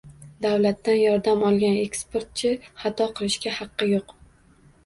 Davlatdan yordam olgan eksportchi xato qilishga haqqi yo‘q